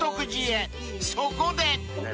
［そこで］